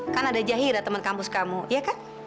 kan ada jahira teman kampus kamu ya kan